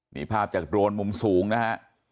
นี่ภาพจากโดรนมุมสูงนะฮะ